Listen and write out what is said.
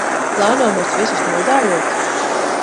Plāno mūs visus nozāļot?